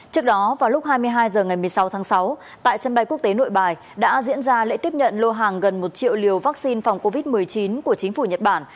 trước đó vào lúc hai mươi hai h ngày một mươi sáu tháng sáu tại sân bay quốc tế nội bài đã diễn ra lễ tiếp nhận lô hàng gần một triệu liều vaccine phòng covid một mươi chín của chính phủ nhật bản